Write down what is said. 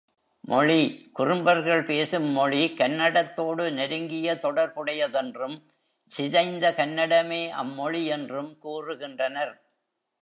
மொழி குறும்பர்கள் பேசும் மொழி கன்னடத்தோடு நெருங்கிய தொடர்புடையதென்றும், சிதைந்த கன்னடமே அம்மொழி என்றும் கூறுகின்றனர்.